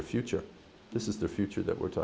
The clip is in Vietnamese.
vào tham gia